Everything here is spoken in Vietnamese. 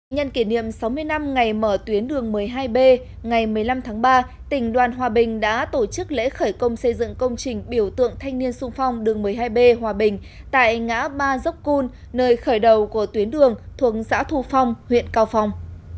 nhân kỷ niệm sáu mươi năm ngày mở tuyến đường một mươi hai b ngày một mươi năm tháng ba tỉnh đoàn hòa bình đã tổ chức lễ khởi công xây dựng công trình biểu tượng thanh niên sung phong đường một mươi hai b hòa bình tại ngã ba dốc cun nơi khởi đầu của tuyến đường thuộc xã thu phong huyện cao phong